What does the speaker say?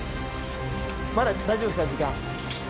まだ大丈夫ですか時間。